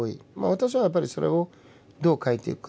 私はやっぱりそれをどう変えていくか。